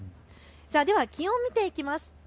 では気温、見ていきます。